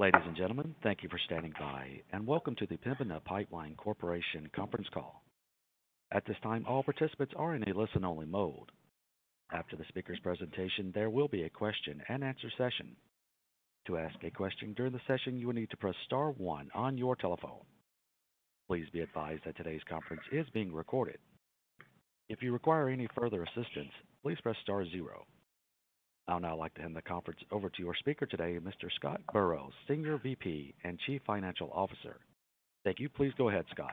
Ladies and gentlemen, thank you for standing by, and welcome to the Pembina Pipeline Corporation Conference Call. At this time, all participants are in a listen-only mode. After the speaker's presentation, there will be a question-and-answer session. To ask a question during the session, you will need to press star one on your telephone. Please be advised that today's conference is being recorded. If you require any further assistance, please press star zero. I would now like to hand the conference over to your speaker today, Mr. Scott Burrows, Senior VP and Chief Financial Officer. Thank you. Please go ahead, Scott.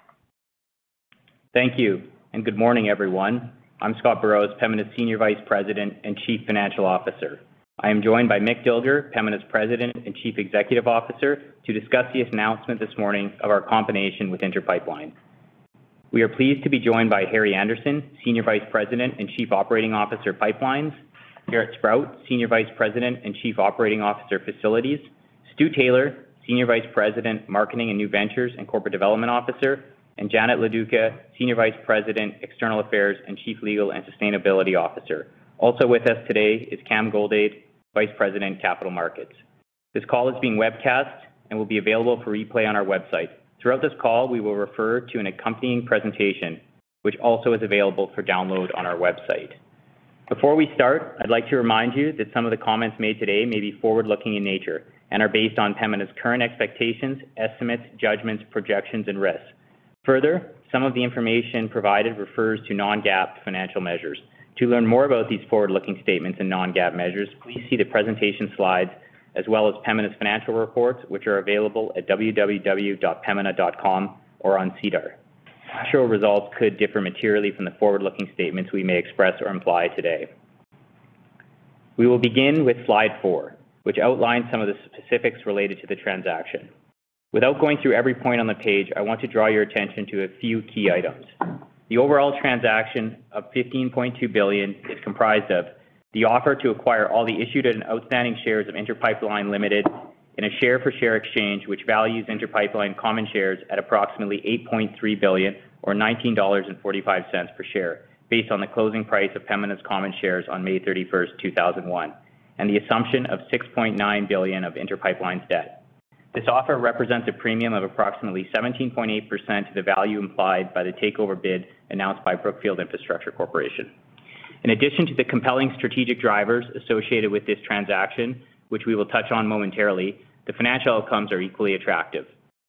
Thank you. Good morning, everyone. I'm Scott Burrows, Pembina's Senior Vice President and Chief Financial Officer. I am joined by Mick Dilger, Pembina's President and Chief Executive Officer, to discuss the announcement this morning of our combination with Inter Pipeline. We are pleased to be joined by Harry Andersen, Senior Vice President and Chief Operating Officer, Pipelines, Jaret Sprott, Senior Vice President and Chief Operating Officer, Facilities, Stuart Taylor, Senior Vice President, Marketing and New Ventures and Corporate Development Officer, and Janet Loduca, Senior Vice President, External Affairs and Chief Legal and Sustainability Officer. Also with us today is Cam Goldade, Vice President, Capital Markets. This call is being webcast and will be available for replay on our website. Throughout this call, we will refer to an accompanying presentation, which also is available for download on our website. Before we start, I'd like to remind you that some of the comments made today may be forward-looking in nature and are based on Pembina's current expectations, estimates, judgments, projections, and risks. Further, some of the information provided refers to non-GAAP financial measures. To learn more about these forward-looking statements and non-GAAP measures, please see the presentation slides as well as Pembina's financial reports, which are available at www.pembina.com or on SEDAR. Actual results could differ materially from the forward-looking statements we may express or imply today. We will begin with slide four, which outlines some of the specifics related to the transaction. Without going through every point on the page, I want to draw your attention to a few key items. The overall transaction of CAD 15.2 billion is comprised of the offer to acquire all the issued and outstanding shares of Inter Pipeline Ltd. In a share-for-share exchange which values Inter Pipeline common shares at approximately 8.3 billion or 19.45 dollars per share based on the closing price of Pembina's common shares on May 31st, 2001, and the assumption of 6.9 billion of Inter Pipeline's debt. This offer represents a premium of approximately 17.8% to the value implied by the takeover bid announced by Brookfield Infrastructure Corporation. In addition to the compelling strategic drivers associated with this transaction, which we will touch on momentarily, the financial outcomes are equally attractive.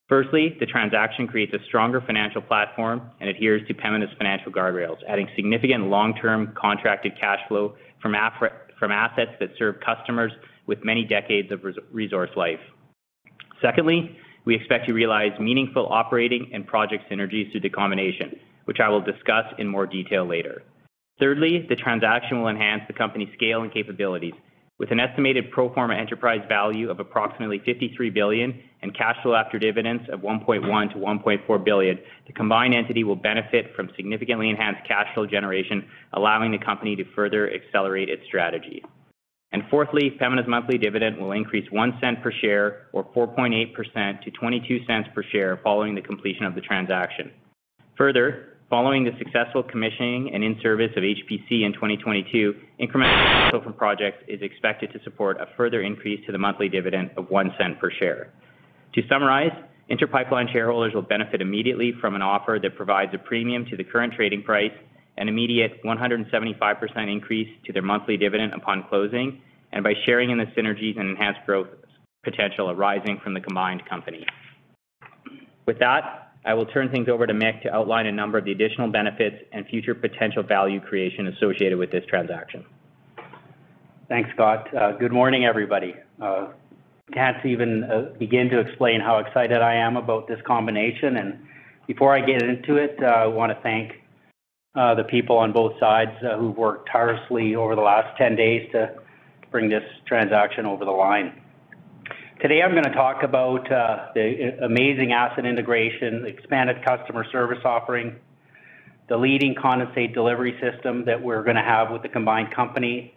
Firstly, the transaction creates a stronger financial platform and adheres to Pembina's financial guardrails, adding significant long-term contracted cash flow from assets that serve customers with many decades of resource life. Secondly, we expect to realize meaningful operating and project synergies through the combination, which I will discuss in more detail later. Thirdly, the transaction will enhance the company's scale and capabilities. With an estimated pro forma enterprise value of approximately CAD 53 billion and cash flow after dividends of 1.1 billion-1.4 billion, the combined entity will benefit from significantly enhanced cash flow generation, allowing the company to further accelerate its strategy. Fourthly, Pembina's monthly dividend will increase 0.01 per share or 4.8% to 0.22 per share following the completion of the transaction. Further, following the successful commissioning and in-service of HPC in 2022, incremental cash flow from projects is expected to support a further increase to the monthly dividend of 0.01 per share. To summarize, Inter Pipeline shareholders will benefit immediately from an offer that provides a premium to the current trading price, an immediate 175% increase to their monthly dividend upon closing, and by sharing in the synergies and enhanced growth potential arising from the combined company. With that, I will turn things over to Mick to outline a number of the additional benefits and future potential value creation associated with this transaction. Thanks, Scott. Good morning, everybody. Can't even begin to explain how excited I am about this combination. Before I get into it, I want to thank the people on both sides who've worked tirelessly over the last 10 days to bring this transaction over the line. Today, I'm going to talk about the amazing asset integration, expanded customer service offering, the leading condensate delivery system that we're going to have with the combined company,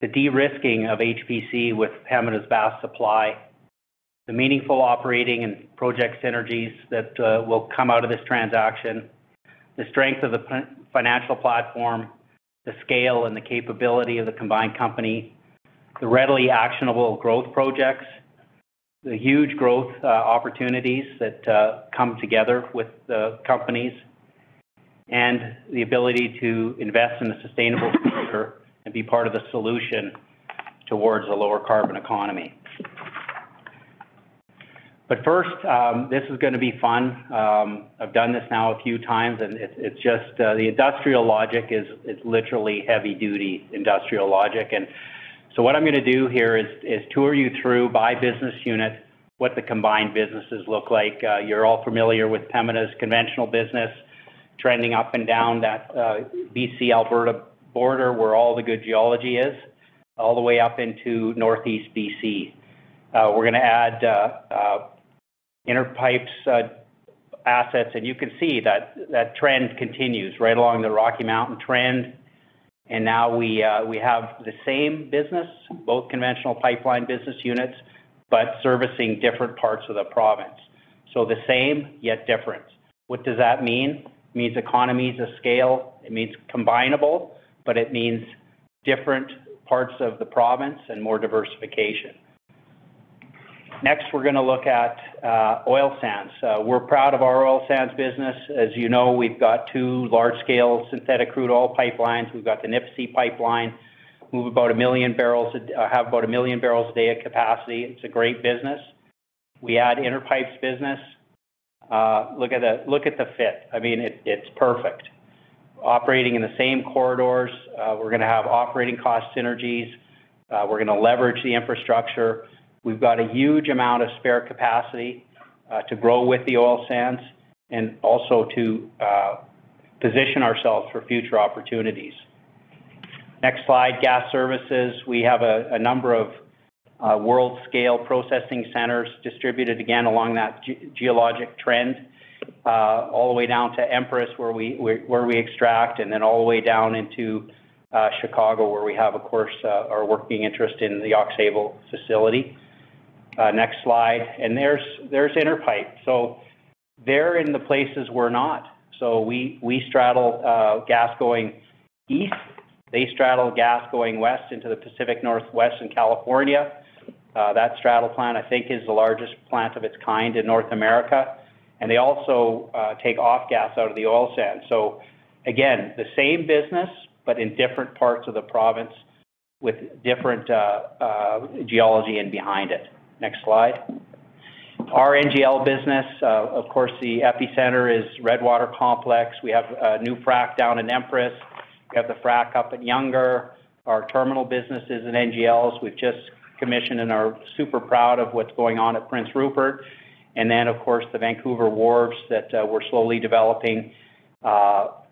the de-risking of HPC with Pembina's vast supply, the meaningful operating and project synergies that will come out of this transaction, the strength of the financial platform, the scale and the capability of the combined company, the readily actionable growth projects, the huge growth opportunities that come together with the companies, and the ability to invest in a sustainable future and be part of the solution towards a lower carbon economy. First, this is going to be fun. I've done this now a few times, and the industrial logic is literally heavy-duty industrial logic. What I'm going to do here is tour you through, by business unit, what the combined businesses look like. You're all familiar with Pembina's conventional business, trending up and down that BC-Alberta border where all the good geology is, all the way up into Northeast BC. We're going to add Inter Pipe's assets, and you can see that that trend continues right along the Rocky Mountain trend. Now we have the same business, both conventional pipeline business units, but servicing different parts of the province. So the same, yet different. What does that mean? It means economies of scale. It means combinable, but it means different parts of the province and more diversification. Next, we're going to look at oil sands. We're proud of our oil sands business. As you know, we've got two large-scale synthetic crude oil pipelines. We've got the Nipisi pipeline, have about 1 million barrels a day of capacity. It's a great business. We add Interpipe's business. Look at the fit. It's perfect. Operating in the same corridors. We're going to have operating cost synergies. We're going to leverage the infrastructure. We've got a huge amount of spare capacity to grow with the oil sands and also to position ourselves for future opportunities. Next slide, gas services. We have a number of world-scale processing centers distributed, again, along that geologic trend all the way down to Empress, where we extract, and then all the way down into Chicago, where we have, of course, our working interest in the Aux Sable facility. Next slide. There's Interpipe. They're in the places we're not. We straddle gas going east. They straddle gas going west into the Pacific Northwest and California. That straddle plant, I think, is the largest plant of its kind in North America. They also take off gas out of the oil sand. Again, the same business, but in different parts of the province with different geology in behind it. Next slide. Our NGL business, of course, the epicenter is Redwater Complex. We have a new frack down in Empress. We have the frack up at Younger. Our terminal businesses and NGLs, we've just commissioned and are super proud of what's going on at Prince Rupert. Then, of course, the Vancouver Wharves that we're slowly developing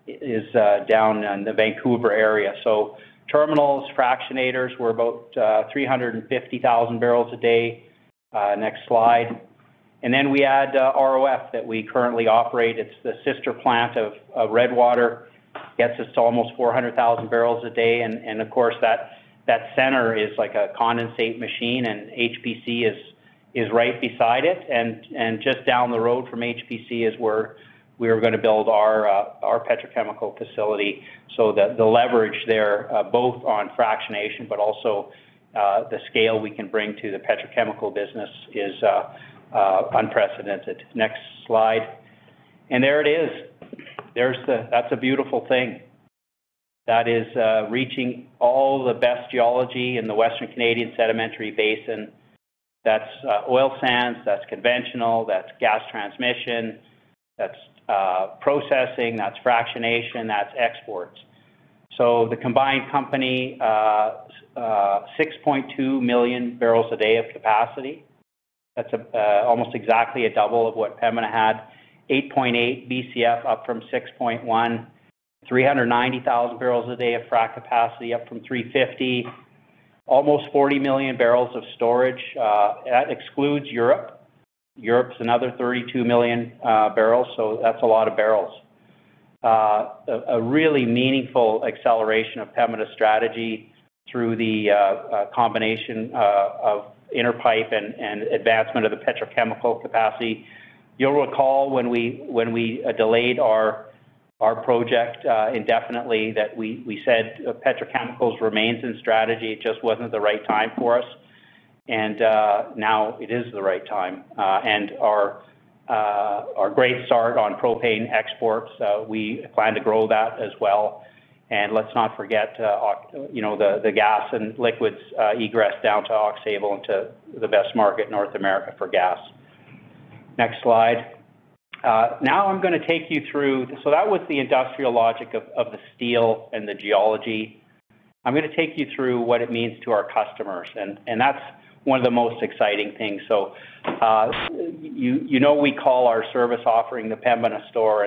is down in the Vancouver area. Terminals, fractionators, we're about 350,000 barrels a day. Next slide. Then we add ROF that we currently operate. It's the sister plant of Redwater, gets us to almost 400,000 barrels a day. Of course, that center is like a condensate machine, HPC is right beside it. Just down the road from HPC is where we're gonna build our petrochemical facility so that the leverage there, both on fractionation but also the scale we can bring to the petrochemical business, is unprecedented. Next slide. There it is. That's a beautiful thing. That is reaching all the best geology in the Western Canadian Sedimentary Basin. That's oil sands, that's conventional, that's gas transmission, that's processing, that's fractionation, that's exports. The combined company, 6.2 million barrels a day of capacity. That's almost exactly a double of what Pembina had. 8.8 BCF up from 6.1. 390,000 barrels a day of frack capacity up from 350,000. Almost 40 million barrels of storage. That excludes Europe. Europe's another 32 million barrels, that's a lot of barrels. A really meaningful acceleration of Pembina's strategy through the combination of Inter Pipeline and advancement of the petrochemical capacity. You'll recall when we delayed our project indefinitely that we said petrochemicals remains in strategy. It just wasn't the right time for us. Now it is the right time. Our great start on propane exports, we plan to grow that as well. Let's not forget the gas and liquids egress down to Oxbow and to the best market in North America for gas. Next slide. That was the industrial logic of the deal and the geology. I'm gonna take you through what it means to our customers, that's one of the most exciting things. You know we call our service offering The Pembina Store.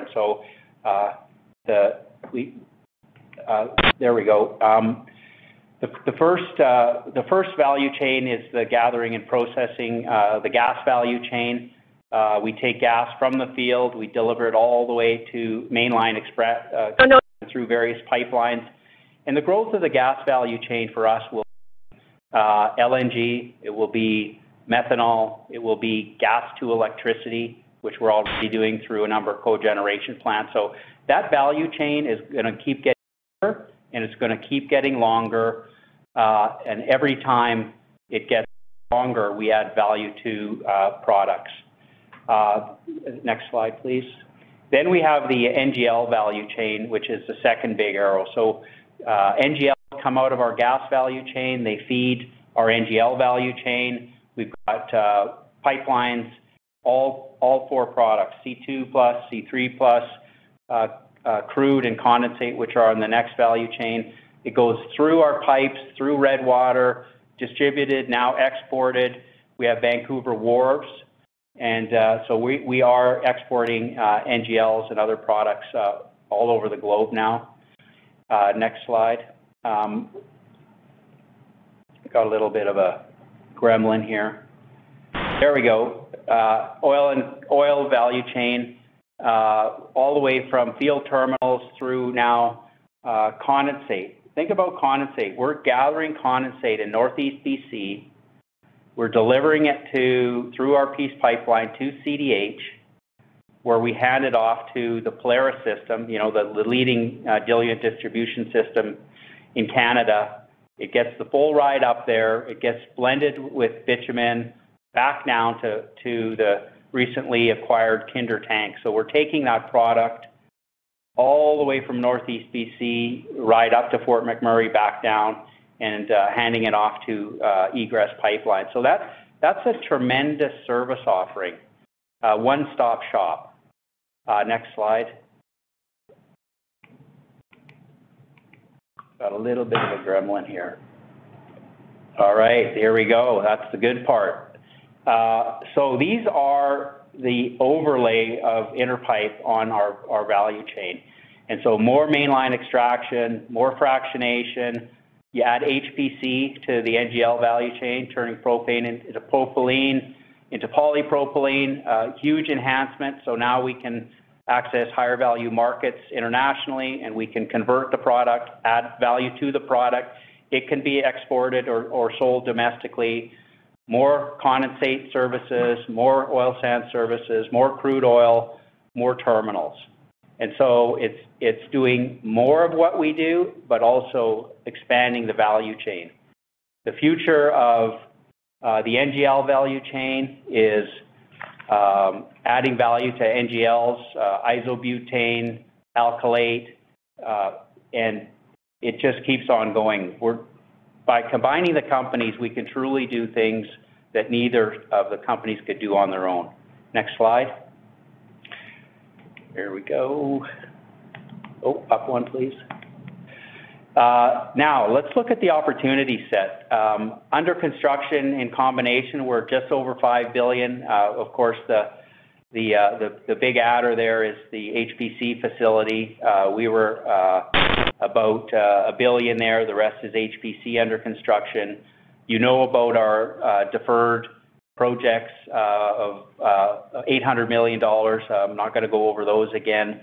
There we go. The first value chain is the gathering and processing, the gas value chain. We take gas from the field, we deliver it all the way to mainline through various pipelines. The growth of the gas value chain for us will LNG, it will be methanol, it will be gas to electricity, which we're already doing through a number of cogeneration plants. That value chain is gonna keep getting bigger, and it's gonna keep getting longer. Every time it gets longer, we add value to products. Next slide, please. We have the NGL value chain, which is the second big arrow. NGL will come out of our gas value chain. They feed our NGL value chain. We've got pipelines, all four products, C2+, C3+, crude and condensate, which are in the next value chain. It goes through our pipes, through Redwater, distributed, now exported. We have Vancouver Wharves, we are exporting NGLs and other products all over the globe now. Next slide. Got a little bit of a gremlin here. There we go. Oil value chain, all the way from field terminals through now Condensate. Think about condensate. We're gathering condensate in Northeast B.C. We're delivering it through our Peace Pipeline to CDH, where we hand it off to the Polaris Pipeline, the leading diluent distribution system in Canada. It gets the full ride up there. It gets blended with bitumen back down to the recently acquired Kinder tanks. We're taking that product all the way from Northeast B.C., right up to Fort McMurray, back down and handing it off to Egress Pipeline. That's a tremendous service offering, a one-stop shop. Next slide. Got a little bit of a gremlin here. All right, here we go. That's the good part. These are the overlay of Inter Pipeline on our value chain. More mainline extraction, more fractionation. You add HPC to the NGL value chain, turning propane into propylene, into polypropylene. A huge enhancement, so now we can access higher-value markets internationally, and we can convert the product, add value to the product. It can be exported or sold domestically. More condensate services, more oil sand services, more crude oil, more terminals. It's doing more of what we do, but also expanding the value chain. The future of the NGL value chain is adding value to NGLs, isobutane, alkylate, and it just keeps on going. By combining the companies, we can truly do things that neither of the companies could do on their own. Next slide. There we go. Up one, please. Let's look at the opportunity set. Under construction in combination, we're just over 5 billion. Of course, the big adder there is the HPC facility. We were about 1 billion there. The rest is HPC under construction. You know about our deferred projects of 800 million dollars. I'm not going to go over those again.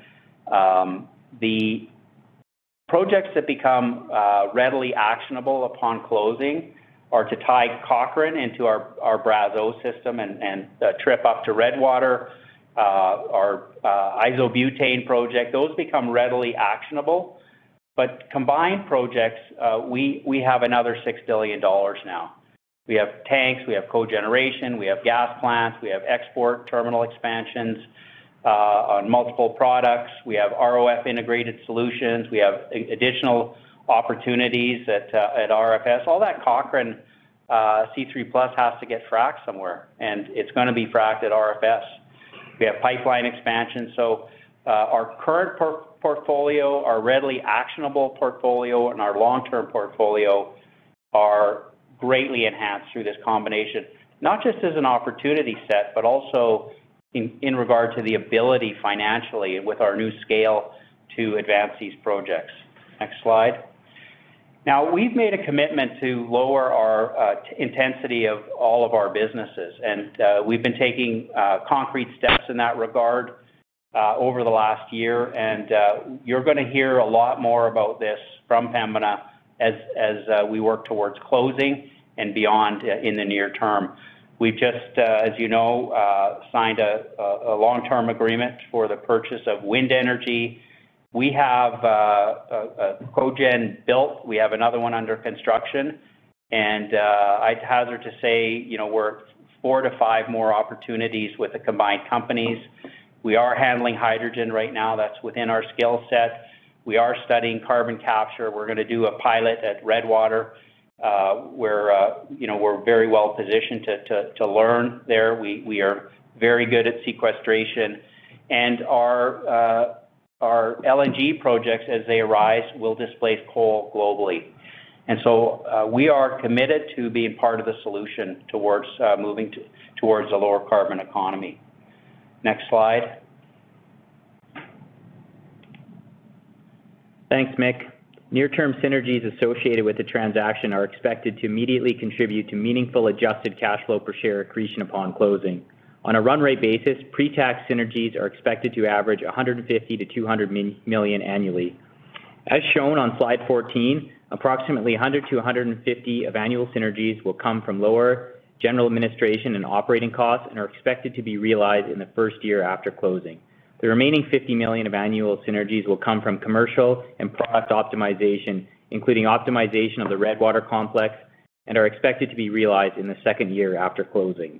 The projects that become readily actionable upon closing are to tie Cochrane into our Brazeau system and the trip up to Redwater, our isobutane project. Those become readily actionable. Combined projects, we have another 6 billion dollars now. We have tanks, we have cogeneration, we have gas plants, we have export terminal expansions on multiple products. We have ROF-integrated solutions. We have additional opportunities at RFS. All that Cochrane C3+ has to get fracked somewhere, and it's going to be fracked at RFS. We have pipeline expansion. Our current portfolio, our readily actionable portfolio, and our long-term portfolio are greatly enhanced through this combination, not just as an opportunity set, but also in regard to the ability financially with our new scale to advance these projects. Next slide. We've made a commitment to lower our intensity of all of our businesses, and we've been taking concrete steps in that regard over the last year, and you're going to hear a lot more about this from Pembina as we work towards closing and beyond in the near term. We've just, as you know, signed a long-term agreement for the purchase of wind energy. We have a cogen built. We have another one under construction, and I'd hazard to say we're four-five more opportunities with the combined companies. We are handling hydrogen right now. That's within our skill set. We are studying carbon capture. We're going to do a pilot at Redwater, where we're very well-positioned to learn there. We are very good at sequestration, and our LNG projects, as they arise, will displace coal globally. We are committed to being part of the solution towards moving towards a lower carbon economy. Next slide. Thanks, Mick. Near-term synergies associated with the transaction are expected to immediately contribute to meaningful adjusted cash flow per share accretion upon closing. On a run-rate basis, pre-tax synergies are expected to average 150 million-200 million annually. As shown on slide 14, approximately 100 million-150 million of annual synergies will come from lower general administration and operating costs and are expected to be realized in the first year after closing. The remaining CAD 50 million of annual synergies will come from commercial and product optimization, including optimization of the Redwater Complex, and are expected to be realized in the second year after closing.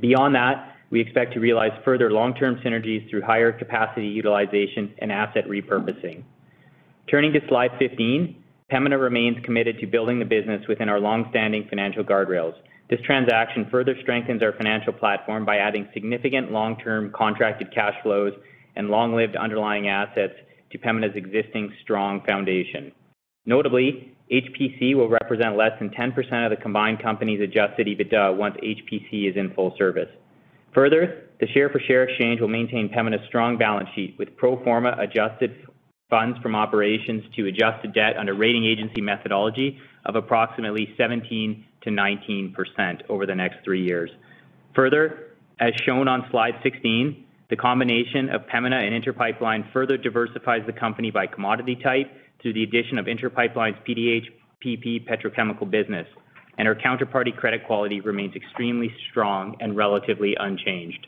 Beyond that, we expect to realize further long-term synergies through higher capacity utilization and asset repurposing. Turning to slide 15, Pembina remains committed to building the business within our longstanding financial guardrails. This transaction further strengthens our financial platform by adding significant long-term contracted cash flows and long-lived underlying assets to Pembina's existing strong foundation. Notably, HPC will represent less than 10% of the combined company's adjusted EBITDA once HPC is in full service. Further, the share-for-share exchange will maintain Pembina's strong balance sheet with pro forma adjusted funds from operations to adjusted debt under rating agency methodology of approximately 17%-19% over the next three years. Further, as shown on slide 16, the combination of Pembina and Inter Pipeline further diversifies the company by commodity type through the addition of Inter Pipeline's PDH PP petrochemical business, and our counterparty credit quality remains extremely strong and relatively unchanged.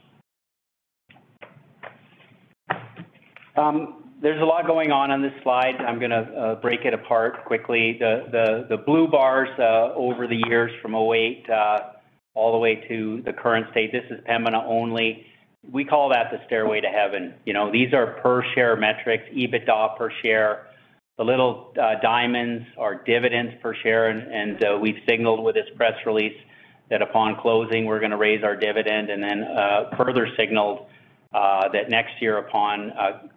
There's a lot going on on this slide. I'm going to break it apart quickly. The blue bars over the years from 2008 all the way to the current state, this is Pembina only. We call that the stairway to heaven. These are per-share metrics, EBITDA per share. The little diamonds are dividends per share. We've signaled with this press release that upon closing, we're going to raise our dividend, and then further signaled that next year, upon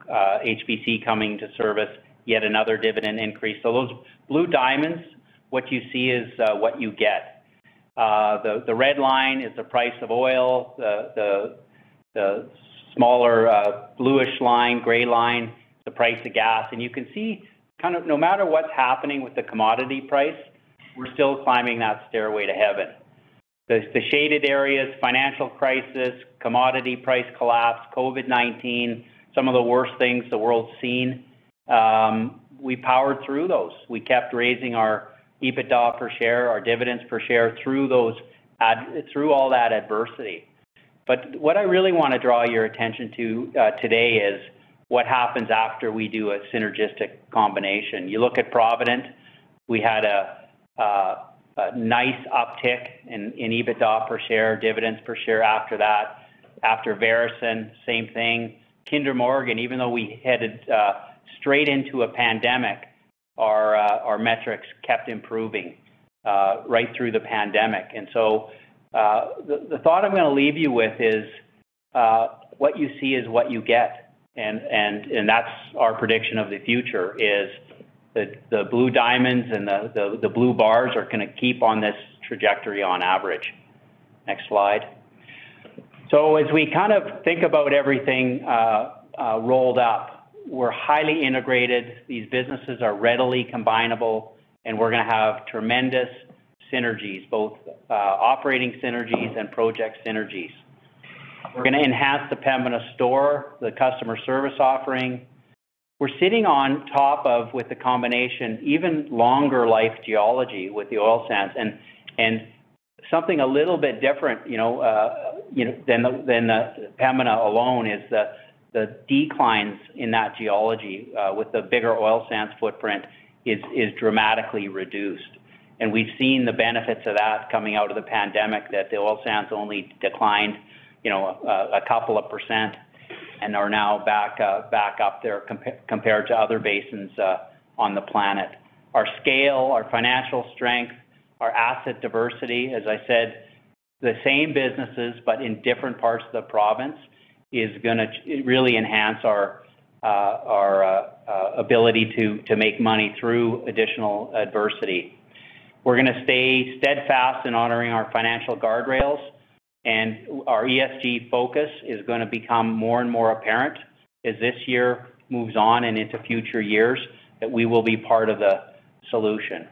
HPC coming to service, yet another dividend increase. Those blue diamonds, what you see is what you get. The red line is the price of oil, the smaller bluish line, gray line, the price of gas. You can see, no matter what's happening with the commodity price, we're still climbing that stairway to heaven. The shaded areas, financial crisis, commodity price collapse, COVID-19, some of the worst things the world's seen, we powered through those. We kept raising our EBITDA per share, our dividends per share through all that adversity. What I really want to draw your attention to today is what happens after we do a synergistic combination. You look at Provident, we had a nice uptick in EBITDA per share, dividends per share after that. After Veresen, same thing. Kinder Morgan, even though we headed straight into a pandemic, our metrics kept improving right through the pandemic. The thought I'm going to leave you with is what you see is what you get, and that's our prediction of the future, is the blue diamonds and the blue bars are going to keep on this trajectory on average. Next slide. As we think about everything rolled up, we're highly integrated. These businesses are readily combinable, and we're going to have tremendous synergies, both operating synergies and project synergies. We're going to enhance the Pembina Store, the customer service offering. We're sitting on top of, with the combination, even longer life geology with the oil sands. Something a little bit different than Pembina alone is the declines in that geology with the bigger oil sands footprint is dramatically reduced. We've seen the benefits of that coming out of the pandemic, that the oil sands only declined a couple of percent and are now back up there compared to other basins on the planet. Our scale, our financial strength, our asset diversity, as I said, the same businesses but in different parts of the province, is going to really enhance our ability to make money through additional adversity. We're going to stay steadfast in honoring our financial guardrails, and our ESG focus is going to become more and more apparent as this year moves on and into future years, that we will be part of the solution.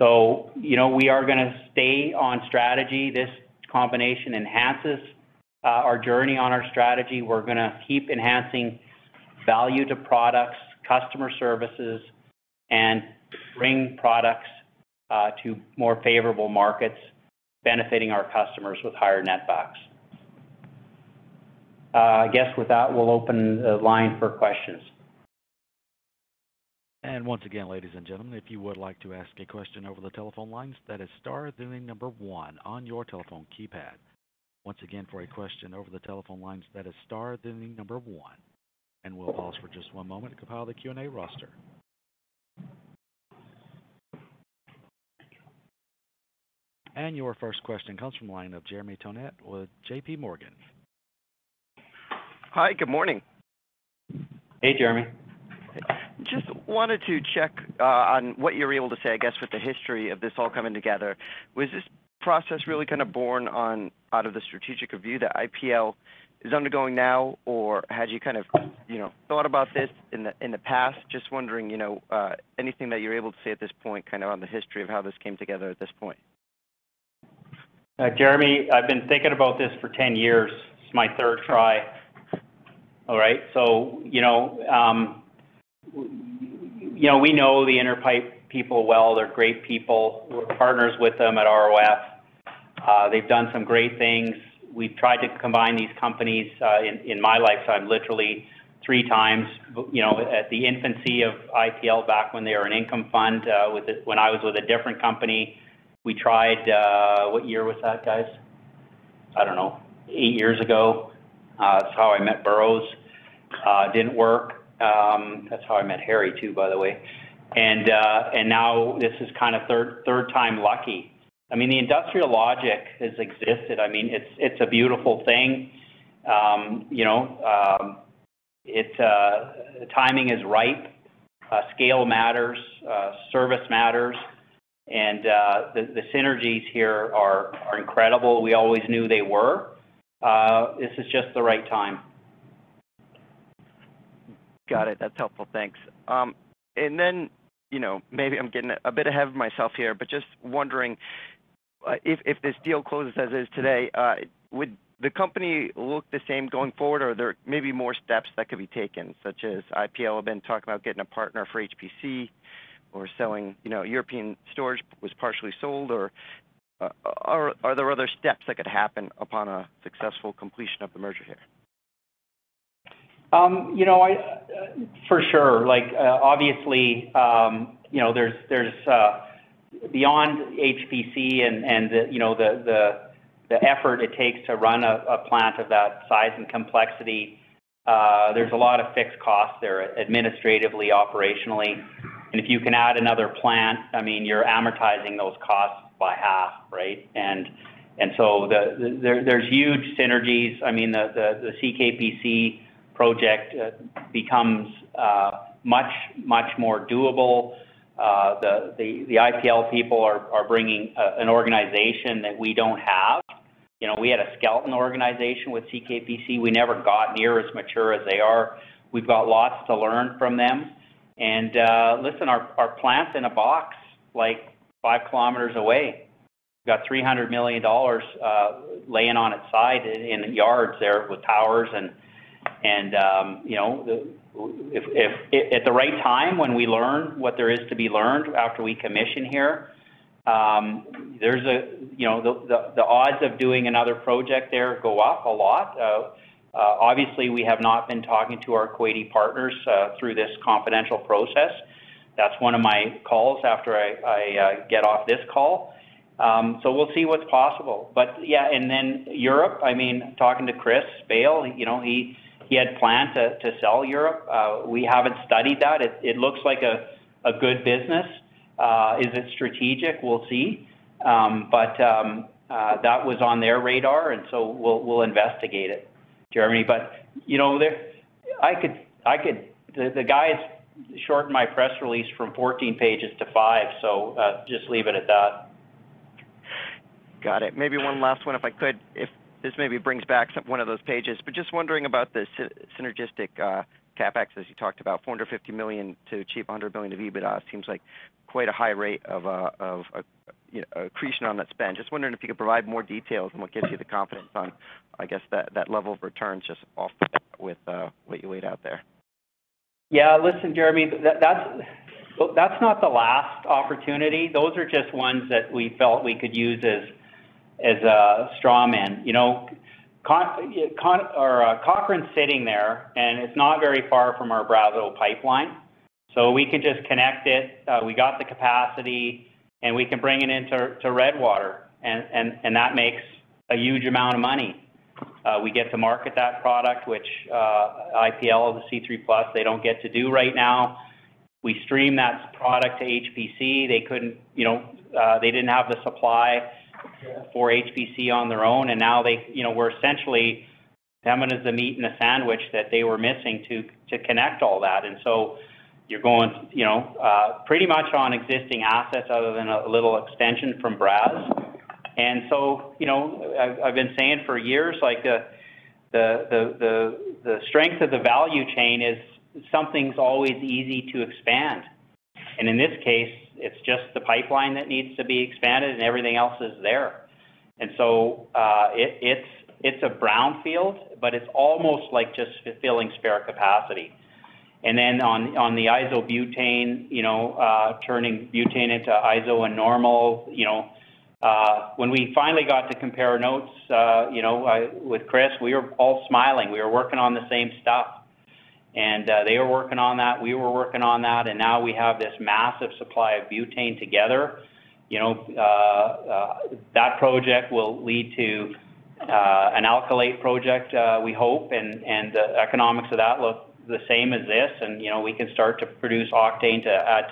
We are going to stay on strategy. This combination enhances our journey on our strategy. We're going to keep enhancing value to products, customer services, and bring products to more favorable markets, benefiting our customers with higher netbacks. I guess, with that, we'll open the line for questions. Once again, ladies and gentlemen, if you would like to ask a question over the telephone lines, that is star, then the number one on your telephone keypad. Once again, for a question over the telephone lines, that is star, then the number one. We'll pause for just one moment to compile the Q&A roster. Your first question comes from the line of Jeremy Tonet with JPMorgan. Hi, good morning. Hey, Jeremy. Just wanted to check on what you're able to say, I guess, with the history of this all coming together. Was this process really kind of born out of the strategic review that IPL is undergoing now, or had you thought about this in the past? Just wondering, anything that you're able to say at this point on the history of how this came together at this point? Jeremy, I've been thinking about this for 10 years. This is my third try. All right? We know the Inter Pipeline people well. They're great people. We're partners with them at ROF. They've done some great things. We've tried to combine these companies, in my lifetime, literally 3x. At the infancy of IPL, back when they were an income fund, when I was with a different company, we tried what year was that, guys? I don't know. Eight years ago. That's how I met Scott Burrows. Didn't work. That's how I met Harry, too, by the way. Now, this is kind of third time lucky. The industrial logic has existed. It's a beautiful thing. The timing is ripe. Scale matters. Service matters. The synergies here are incredible. We always knew they were. This is just the right time Got it. That's helpful. Thanks. Maybe I'm getting a bit ahead of myself here, but just wondering if this deal closes as is today, would the company look the same going forward, or are there maybe more steps that could be taken, such as IPL have been talking about getting a partner for HPC or selling European storage was partially sold, or are there other steps that could happen upon a successful completion of the merger here? For sure. Obviously, there's beyond HPC and the effort it takes to run a plant of that size and complexity. There's a lot of fixed costs there, administratively, operationally. If you can add another plant, you're amortizing those costs by half, right? There's huge synergies. The CKPC project becomes much more doable. The IPL people are bringing an organization that we don't have. We had a skeleton organization with CKPC. We never got near as mature as they are. We've got lots to learn from them. Listen, our plant's in a box 5 km away. We've got 300 million dollars laying on its side in yards there with towers, and at the right time, when we learn what there is to be learned after we commission here. The odds of doing another project there go up a lot. Obviously, we have not been talking to our Kuwaiti partners through this confidential process. That's one of my calls after I get off this call. We'll see what's possible. Yeah, and then Europe, talking to Chris Bayle, he had planned to sell Europe. We haven't studied that. It looks like a good business. Is it strategic? We'll see. That was on their radar, we'll investigate it, Jeremy. The guys shortened my press release from 14 pages to five, just leave it at that. Got it. Maybe one last one if I could. If this maybe brings back one of those pages, but just wondering about the synergistic CapEx as you talked about, 450 million to achieve 100 million of EBITDA. Seems like quite a high rate of accretion on that spend. Just wondering if you could provide more details on what gives you the confidence on, I guess, that level of return just off the bat with what you laid out there. Listen, Jeremy, that's not the last opportunity. Those are just ones that we felt we could use as a straw man. Cochrane's sitting there, and it's not very far from our Brazeau pipeline. We could just connect it. We got the capacity, and we can bring it into Redwater. That makes a huge amount of money. We get to market that product, which IPL, the C3+, they don't get to do right now. We stream that product to HPC. They didn't have the supply for HPC on their own. Now we're essentially, Pembina's the meat in the sandwich that they were missing to connect all that. You're going pretty much on existing assets other than a little extension from Braz. I've been saying for years, the strength of the value chain is something's always easy to expand. In this case, it's just the pipeline that needs to be expanded and everything else is there. So, it's a brownfield, but it's almost like just filling spare capacity. Then on the isobutane, turning butane into iso and normal. When we finally got to compare notes with Chris, we were all smiling. We were working on the same stuff. They were working on that, we were working on that, and now we have this massive supply of butane together. That project will lead to an alkylate project, we hope, and the economics of that look the same as this. We can start to produce octane to add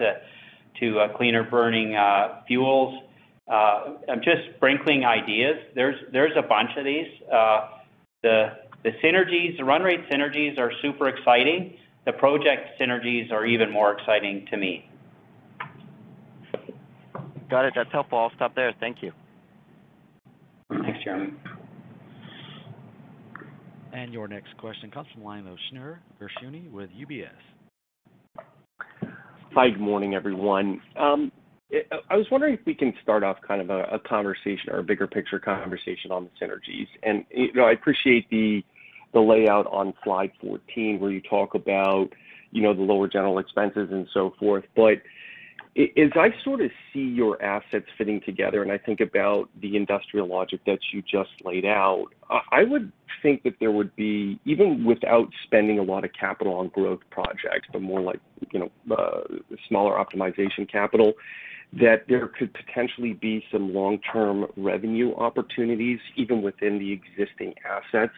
to cleaner-burning fuels. I'm just sprinkling ideas. There's a bunch of these. The run rate synergies are super exciting. The project synergies are even more exciting to me. Got it. That's helpful. I'll stop there. Thank you. Thanks, Jeremy. Your next question comes from the line of Shneur Gershuni with UBS. Hi, good morning, everyone. I was wondering if we can start off a conversation or a bigger picture conversation on the synergies. I appreciate the layout on slide 14 where you talk about the lower general expenses and so forth. As I sort of see your assets fitting together, and I think about the industrial logic that you just laid out. I would think that there would be, even without spending a lot of capital on growth projects, but more like, smaller optimization capital, that there could potentially be some long-term revenue opportunities even within the existing assets.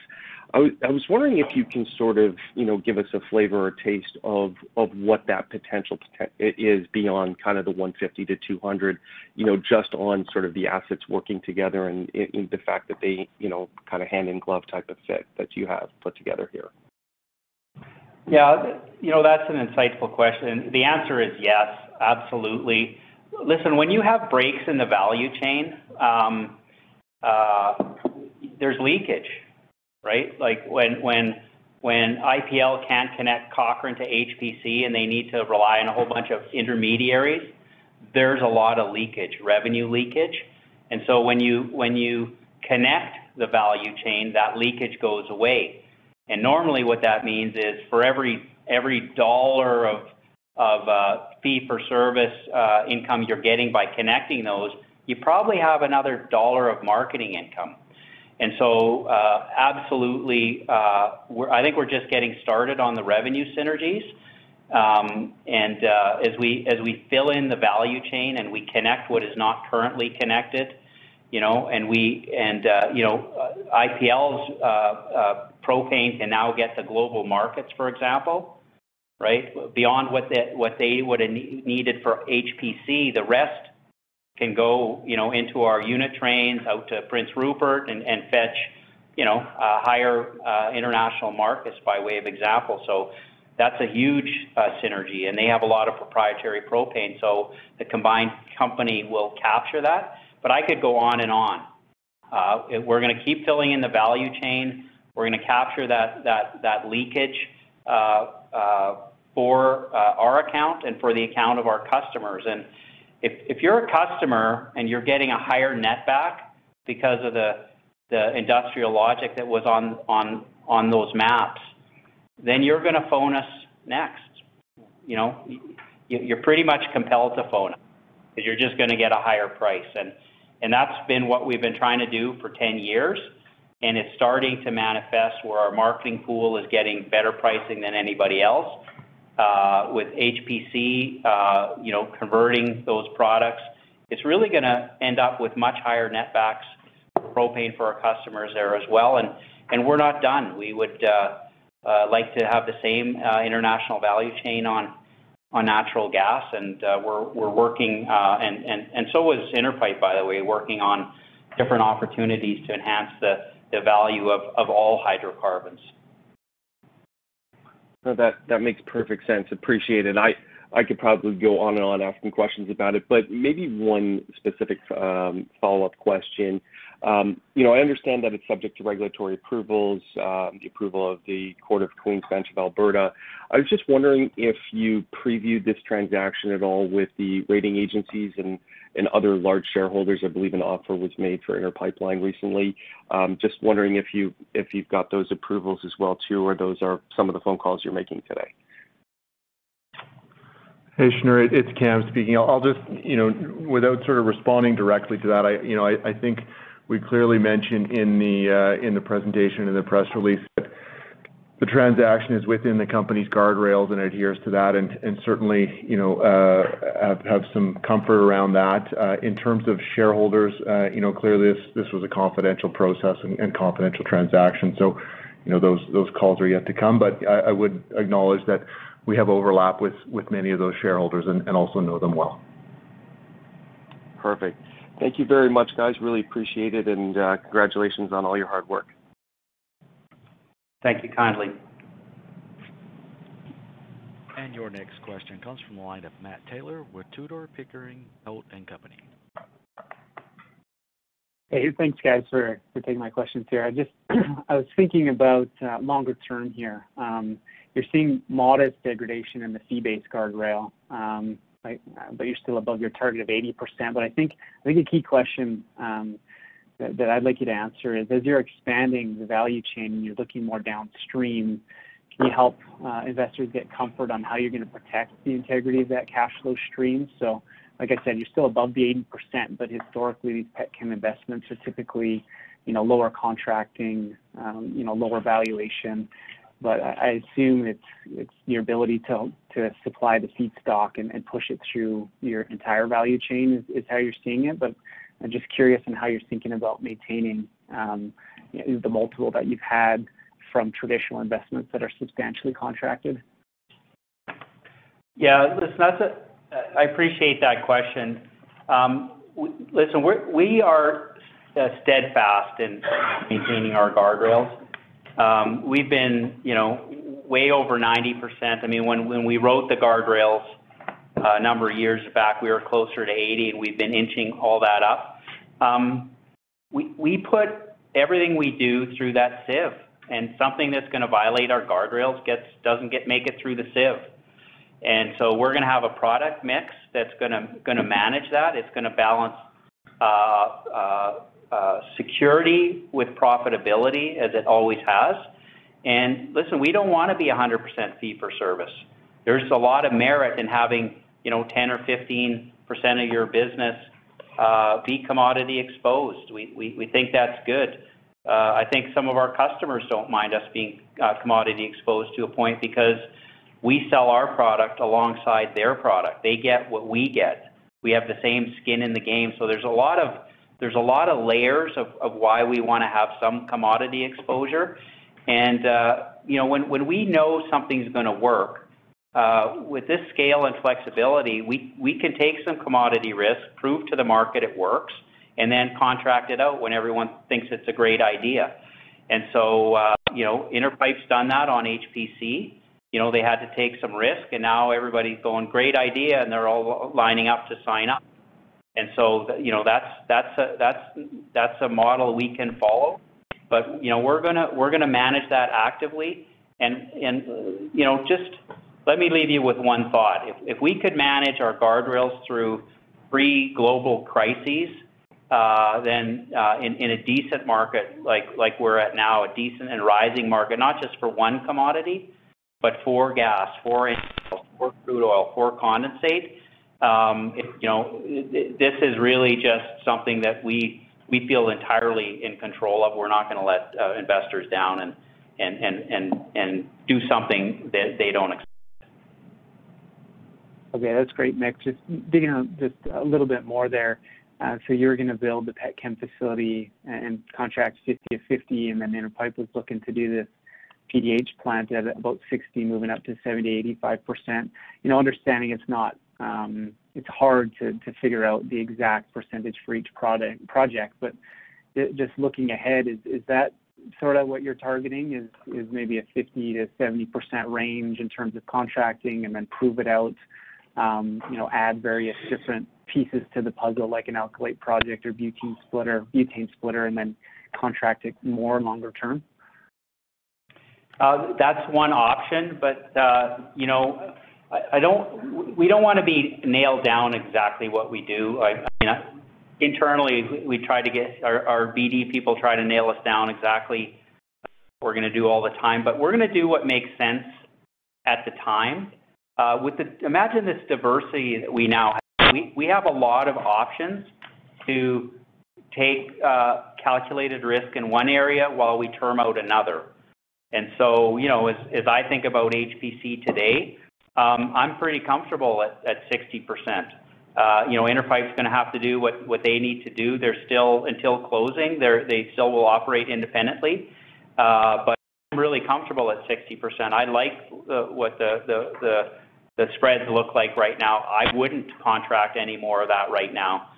I was wondering if you can sort of give us a flavor or taste of what that potential is beyond kind of the 150 million-200 million just on sort of the assets working together and the fact that they kind of hand-in-glove type of fit that you have put together here. That's an insightful question. The answer is yes, absolutely. Listen, when you have breaks in the value chain, there's leakage, right? When IPL can't connect Cochrane to HPC and they need to rely on a whole bunch of intermediaries, there's a lot of leakage, revenue leakage. When you connect the value chain, that leakage goes away. Normally what that means is, for every dollar of fee-for-service income you're getting by connecting those, you probably have another dollar of marketing income. Absolutely, I think we're just getting started on the revenue synergies. As we fill in the value chain and we connect what is not currently connected, and IPL's propane can now get to global markets, for example, right? Beyond what they would've needed for HPC, the rest can go into our unit trains out to Prince Rupert and fetch higher international markets by way of example. That's a huge synergy, and they have a lot of proprietary propane, so the combined company will capture that. I could go on and on. We're going to keep filling in the value chain. We're going to capture that leakage for our account and for the account of our customers. If you're a customer and you're getting a higher netback because of the industrial logic that was on those maps, then you're going to phone us next. You're pretty much compelled to phone us because you're just going to get a higher price. That's been what we've been trying to do for 10 years, and it's starting to manifest where our marketing pool is getting better pricing than anybody else. With HPC converting those products, it's really going to end up with much higher netbacks propane for our customers there as well. We're not done. We would like to have the same international value chain on natural gas. We're working, and so is Inter Pipeline, by the way, working on different opportunities to enhance the value of all hydrocarbons. No, that makes perfect sense. Appreciate it. I could probably go on and on asking questions about it, but maybe one specific follow-up question. I understand that it's subject to regulatory approvals, the approval of the Court of Queen's Bench of Alberta. I was just wondering if you previewed this transaction at all with the rating agencies and other large shareholders. I believe an offer was made for Inter Pipeline recently. Just wondering if you've got those approvals as well, too, or those are some of the phone calls you're making today. Hey, Shneur. It's Cam speaking. Without sort of responding directly to that, I think we clearly mentioned in the presentation, in the press release, that the transaction is within the company's guardrails and adheres to that, and certainly, have some comfort around that. In terms of shareholders, clearly, this was a confidential process and confidential transaction. Those calls are yet to come. I would acknowledge that we have overlap with many of those shareholders and also know them well. Perfect. Thank you very much, guys. Really appreciate it, and congratulations on all your hard work. Thank you kindly. Your next question comes from the line of Matt Taylor with Tudor, Pickering, Holt & Co. Thanks guys for taking my questions here. I was thinking about longer term here. You're seeing modest degradation in the fee-based guardrail, you're still above your target of 80%. I think a key question that I'd like you to answer is, as you're expanding the value chain and you're looking more downstream, can you help investors get comfort on how you're going to protect the integrity of that cash flow stream? Like I said, you're still above the 80%, but historically, these pet chem investments are typically lower contracting, lower valuation. I assume it's your ability to supply the feedstock and push it through your entire value chain is how you're seeing it. I'm just curious on how you're thinking about maintaining the multiple that you've had from traditional investments that are substantially contracted. Yeah, listen, I appreciate that question. Listen, we are steadfast in maintaining our guardrails. We've been way over 90%. When we wrote the guardrails a number of years back, we were closer to 80%, we've been inching all that up. We put everything we do through that sieve. Something that's going to violate our guardrails doesn't make it through the sieve. We're going to have a product mix that's going to manage that. It's going to balance security with profitability, as it always has. Listen, we don't want to be 100% fee for service. There's a lot of merit in having 10% or 15% of your business be commodity exposed. We think that's good. I think some of our customers don't mind us being commodity exposed to a point because we sell our product alongside their product. They get what we get. We have the same skin in the game. There's a lot of layers of why we want to have some commodity exposure. When we know something's going to work, with this scale and flexibility, we can take some commodity risk, prove to the market it works, then contract it out when everyone thinks it's a great idea. Inter Pipeline's done that on HPC. They had to take some risk. Now everybody's going, "Great idea," and they're all lining up to sign up. That's a model we can follow. We're going to manage that actively. Just let me leave you with one thought. If we could manage our guardrails through three global crises, then in a decent market like we're at now, a decent and rising market, not just for one commodity, but for gas, for NGL, for crude oil, for condensate, this is really just something that we feel entirely in control of. We're not going to let investors down and do something that they don't expect. Okay. That's great, Mick. Just digging a little bit more there. You're going to build the pet chem facility and contract 50/50, and then Inter Pipeline was looking to do this PDH plant at about 60%, moving up to 70%, 85%. Understanding it's hard to figure out the exact percentage for each project, just looking ahead, is that sort of what you're targeting, is maybe a 50%-70% range in terms of contracting and then prove it out, add various different pieces to the puzzle like an alkylate project or butane splitter, and then contract it more longer term? That's one option, but we don't want to be nailed down exactly what we do. Internally, our BD people try to nail us down exactly what we're going to do all the time, but we're going to do what makes sense at the time. Imagine this diversity that we now have. We have a lot of options to take a calculated risk in one area while we term out another. As I think about HPC today, I'm pretty comfortable at 60%. Interpipe's going to have to do what they need to do. Until closing, they still will operate independently. I'm really comfortable at 60%. I like what the spreads look like right now. I wouldn't contract any more of that right now.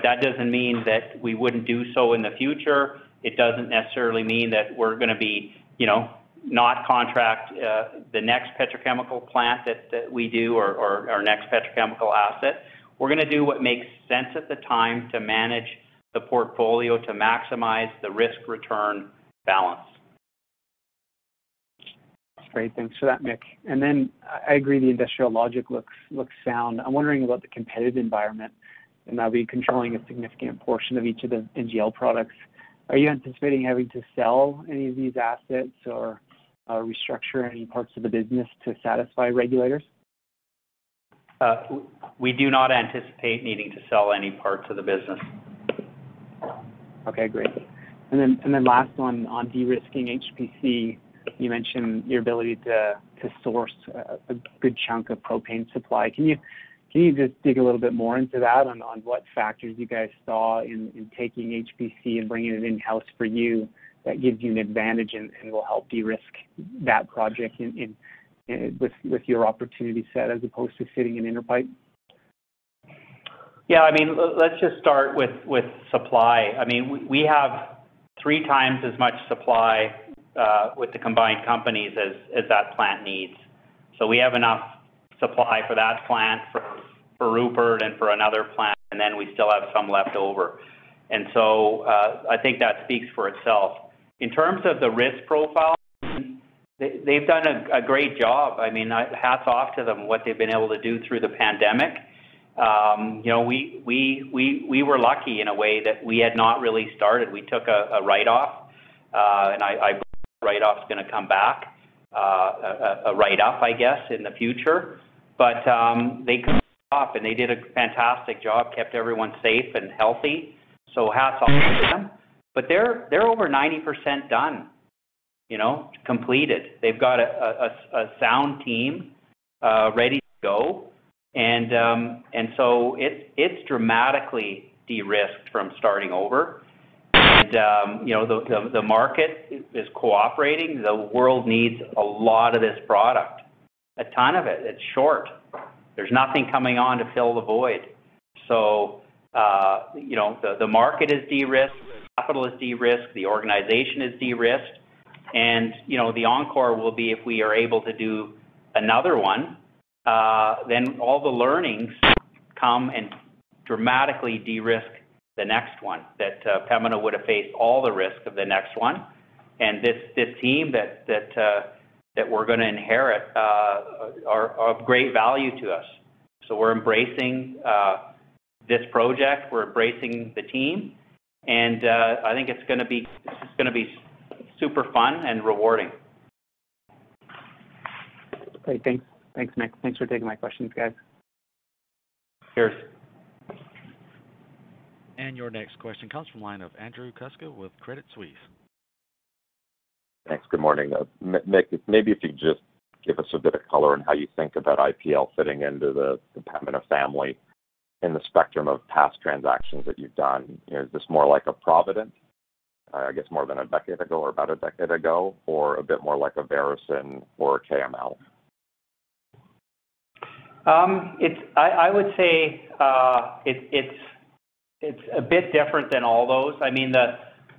That doesn't mean that we wouldn't do so in the future. It doesn't necessarily mean that we're going to not contract the next petrochemical plant that we do or our next petrochemical asset. We're going to do what makes sense at the time to manage the portfolio to maximize the risk-return balance. Great. Thanks for that, Mick. I agree the industrial logic looks sound. I'm wondering about the competitive environment, and that'll be controlling a significant portion of each of the NGL products. Are you anticipating having to sell any of these assets or restructure any parts of the business to satisfy regulators? We do not anticipate needing to sell any parts of the business. Okay, great. Last one on de-risking HPC. You mentioned your ability to source a good chunk of propane supply. Can you just dig a little bit more into that on what factors you guys saw in taking HPC and bringing it in-house for you that gives you an advantage and will help de-risk that project with your opportunity set as opposed to sitting in Inter Pipeline? Yeah. Let's just start with supply. We have 3x as much supply with the combined companies as that plant needs. We have enough supply for that plant, for Rupert and for another plant, then we still have some left over. I think that speaks for itself. In terms of the risk profile, they've done a great job. Hats off to them, what they've been able to do through the pandemic. We were lucky in a way that we had not really started. We took a write-off, I believe that write-off's going to come back, a write-up, I guess, in the future. They couldn't stop, and they did a fantastic job, kept everyone safe and healthy, so hats off to them. They're over 90% done, completed. They've got a sound team ready to go, so it's dramatically de-risked from starting over. The market is cooperating. The world needs a lot of this product, a ton of it. It's short. There's nothing coming on to fill the void. The market is de-risked, the capital is de-risked, the organization is de-risked. The encore will be if we are able to do another one, then all the learnings come and dramatically de-risk the next one, that Pembina would have faced all the risk of the next one. This team that we're going to inherit are of great value to us. We're embracing this project, we're embracing the team, and I think it's going to be super fun and rewarding. Great. Thanks, Mick. Thanks for taking my questions, guys. Cheers. Your next question comes from line of Andrew Kuske with Credit Suisse. Thanks. Good morning. Mick, maybe if you'd just give us a bit of color on how you think about IPL fitting into the Pembina family in the spectrum of past transactions that you've done. Is this more like a Provident, I guess more than a decade ago or about a decade ago, or a bit more like a Veresen or a KML? I would say it's a bit different than all those.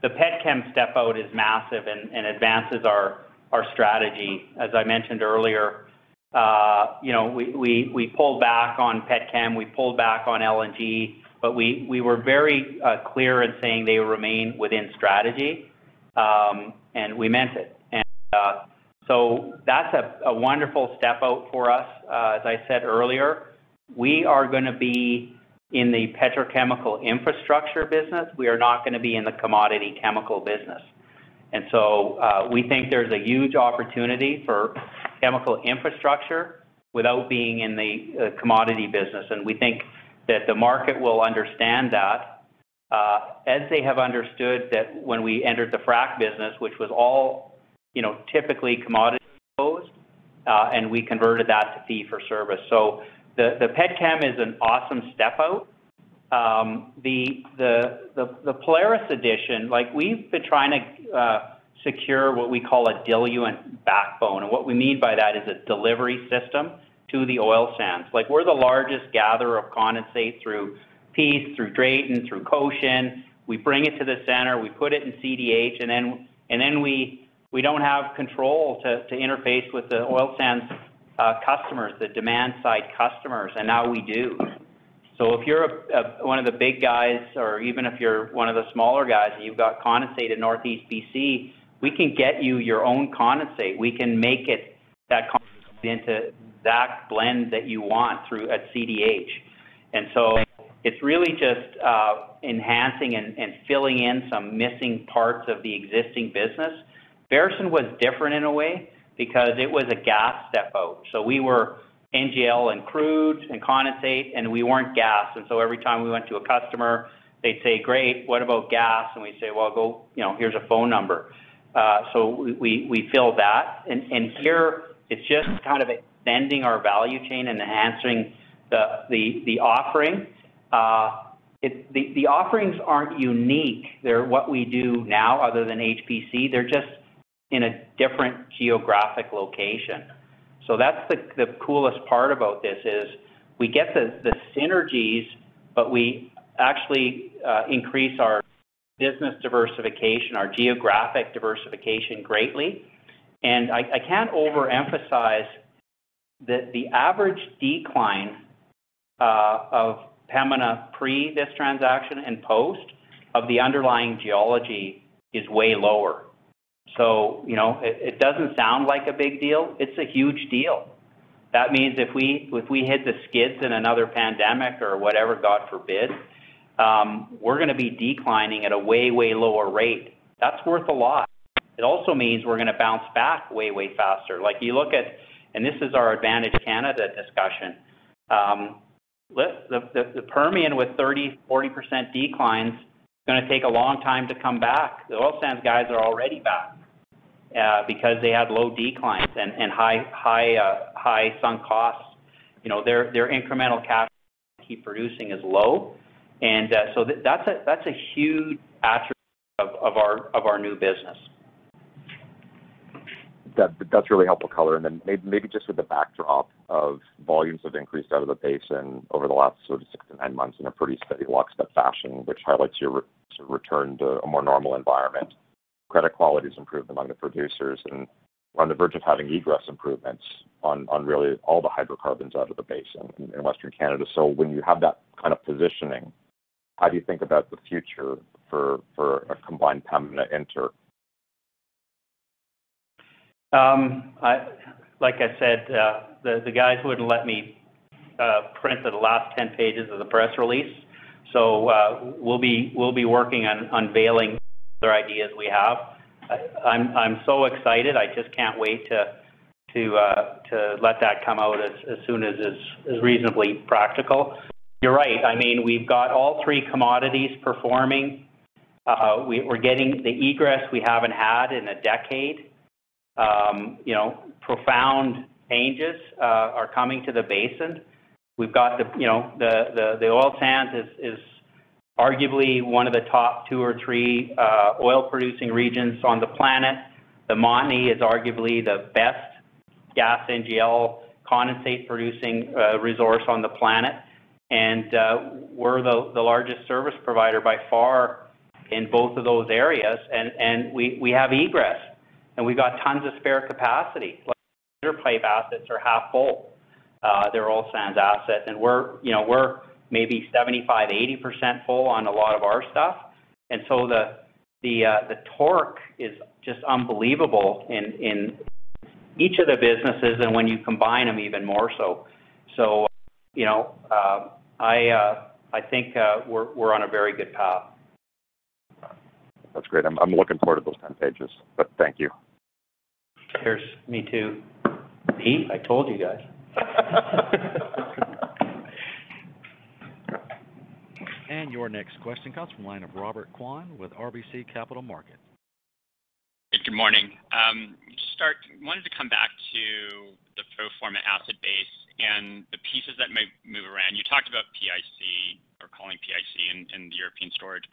The pet chem step out is massive and advances our strategy. As I mentioned earlier, we pulled back on pet chem, we pulled back on LNG, but we were very clear in saying they remain within strategy, and we meant it. That's a wonderful step out for us. As I said earlier, we are going to be in the petrochemical infrastructure business. We are not going to be in the commodity chemical business. We think there's a huge opportunity for chemical infrastructure without being in the commodity business. We think that the market will understand that, as they have understood that when we entered the frack business, which was all typically commodity exposed, and we converted that to fee for service. The pet chem is an awesome step out. The Polaris addition, we've been trying to secure what we call a diluent backbone. What we mean by that is a delivery system to the oil sands. We're the largest gatherer of condensate through Peace, through Drayton, through Goshen. We bring it to the center, we put it in CDH, and then we don't have control to interface with the oil sands customers, the demand-side customers, and now we do. If you're one of the big guys, or even if you're one of the smaller guys and you've got condensate in Northeast B.C., we can get you your own condensate. We can make that condensate into that blend that you want at CDH. It's really just enhancing and filling in some missing parts of the existing business. Veresen was different in a way because it was a gas step out. We were NGL and crude and condensate, and we weren't gas. Every time we went to a customer, they'd say, "Great, what about gas?" We'd say, "Well, here's a phone number." We filled that. Here it's just extending our value chain and enhancing the offering. The offerings aren't unique. They're what we do now other than HPC. They're just in a different geographic location. That's the coolest part about this is we get the synergies, but we actually increase our business diversification, our geographic diversification greatly. I can't overemphasize that the average decline of Pembina pre this transaction and post of the underlying geology is way lower. It doesn't sound like a big deal. It's a huge deal. That means if we hit the skids in another pandemic or whatever, God forbid, we're going to be declining at a way lower rate. That's worth a lot. It also means we're going to bounce back way faster. You look at, this is our Advantage Canada discussion. The Permian with 30%, 40% declines, it's going to take a long time to come back. The oil sands guys are already back because they had low declines and high sunk costs. Their incremental cash to keep producing is low. That's a huge attribute of our new business. That's really helpful color. Maybe just with the backdrop of volumes have increased out of the basin over the last sort of six-nine months in a pretty steady walk step fashion, which highlights your return to a more normal environment. Credit quality's improved among the producers and on the verge of having egress improvements on really all the hydrocarbons out of the basin in Western Canada. When you have that kind of positioning, how do you think about the future for a combined Pembina Inter? Like I said, the guys wouldn't let me print the last 10 pages of the press release. We'll be working on unveiling other ideas we have. I'm so excited. I just can't wait to let that come out as soon as is reasonably practical. You're right. We've got all three commodities performing. We're getting the egress we haven't had in a decade. Profound changes are coming to the basin. The oil sands is arguably one of the top two or three oil-producing regions on the planet. The Montney is arguably the best gas NGL condensate-producing resource on the planet. We're the largest service provider by far in both of those areas, and we have egress. We've got tons of spare capacity. Inter Pipeline assets are half full. They're oil sands assets. We're maybe 75%, 80% full on a lot of our stuff. The torque is just unbelievable in each of the businesses, and when you combine them even more so. I think we're on a very good path. That's great. I'm looking forward to those 10 pages. Thank you. Cheers, me too. Pete, I told you guys. Your next question comes from line of Robert Kwan with RBC Capital Markets. Good morning. To start, wanted to come back to the pro forma asset base and the pieces in the European storage.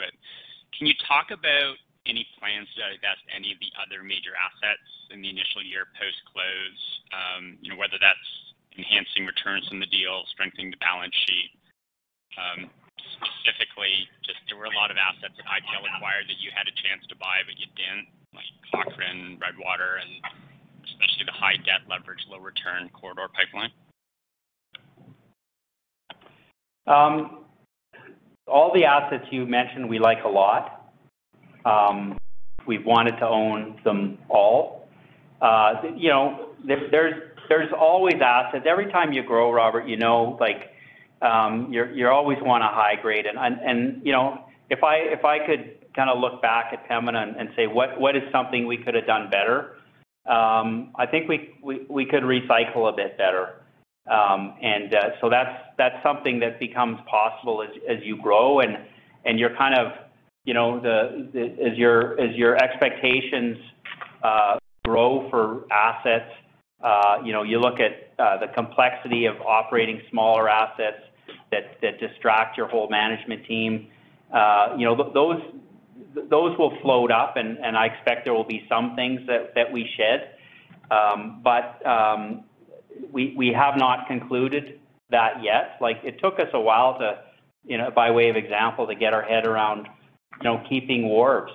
Can you talk about any plans to divest any of the other major assets in the initial year post-close, whether that's enhancing returns from the deal, strengthening the balance sheet? Specifically, just there were a lot of assets that IPL acquired that you had a chance to buy, but you didn't, like Cochrane, Redwater, and especially the high-debt leverage, low-return Corridor Pipeline. All the assets you mentioned, we like a lot. We've wanted to own them all. There's always assets. Every time you grow, Robert, you always want a high grade. If I could look back at Pembina and say, "What is something we could have done better?" I think we could recycle a bit better. That's something that becomes possible as you grow and as your expectations grow for assets. You look at the complexity of operating smaller assets that distract your whole management team. Those will float up, and I expect there will be some things that we shed. We have not concluded that yet. It took us a while to, by way of example, to get our head around keeping Vancouver